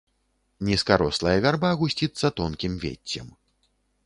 Нізкарослая вярба гусціцца тонкім веццем.